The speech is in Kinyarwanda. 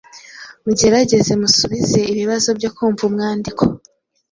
mugerageza gusubiza ibibazo byo kumva umwandiko,